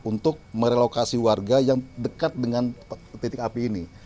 untuk merelokasi warga yang dekat dengan titik api ini